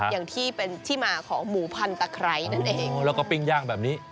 อย่างที่เป็นที่มาของหมูพันตะไคร้นั่นเองแล้วก็ปิ้งย่างแบบนี้